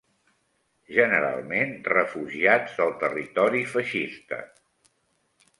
Generalment refugiats del territori feixista